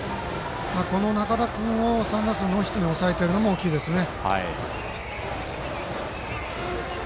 この仲田君を３打数ノーヒットに抑えているのも大きいですね。